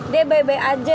dia baik baik aja